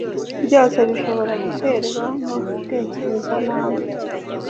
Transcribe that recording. byose bishobora guterwa no gutekereza nabi.